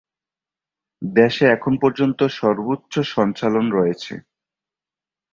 দেশে এর এখন পর্যন্ত সর্বোচ্চ সঞ্চালন রয়েছে।